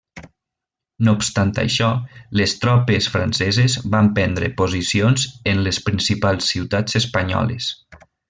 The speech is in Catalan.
No obstant això, les tropes franceses van prendre posicions en les principals ciutats espanyoles.